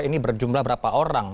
ini berjumlah berapa orang